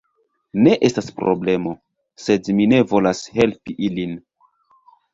Ne estas problemo. Sed mi ne volas helpi ilin.